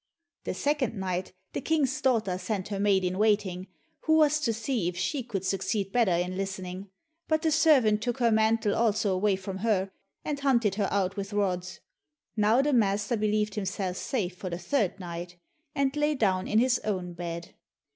The second night the King's daughter sent her maid in waiting, who was to see if she could succeed better in listening, but the servant took her mantle also away from her, and hunted her out with rods. Now the master believed himself safe for the third night, and lay down in his own bed.